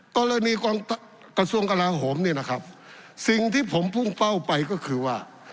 กรณีของกระทรวงกลาโหมเนี่ยนะครับสิ่งที่ผมพุ่งเป้าไปก็คือว่า